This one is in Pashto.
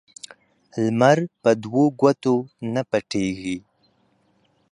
لمر په دوو گوتو نه پټېږي.